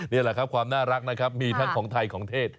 นี่แหละครับความน่ารักนะครับมีทั้งของไทยของเทศ